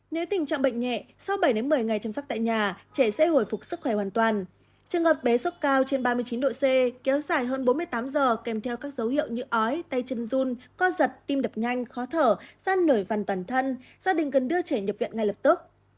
nếu tình trạng bệnh nhẹ sau bảy một mươi ngày chăm sóc tại nhà trẻ sẽ hồi phục sức khỏe hoàn toàn trường hợp bé sốt cao trên ba mươi chín độ c kéo dài hơn bốn mươi tám giờ kèm theo các dấu hiệu như ói tay chân run co giật tim đập nhanh khó thở san nổi vằn toàn thân gia đình cần đưa trẻ nhập viện ngay lập tức